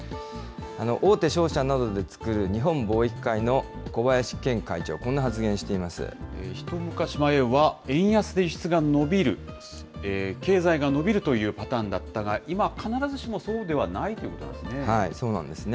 大手商社などで作る日本貿易会の小林健会長、こんな発言していま一昔前は、円安で輸出が伸びる、経済が伸びるというパターンだったが、今は必ずしもそうではないということなんですね。